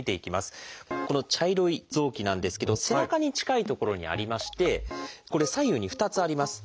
この茶色い臓器なんですけど背中に近い所にありましてこれ左右に２つあります。